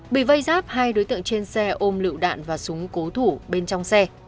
bị vây giáp hai đối tượng trên xe ôm lựu đạn và súng cố thủ bên trong xe